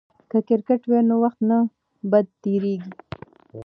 که کرکټ وي نو وخت نه بد تیریږي.